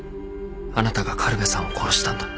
あなたが苅部さんを殺したんだ。